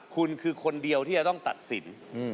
คุณคือคนเดียวที่จะต้องตัดสิน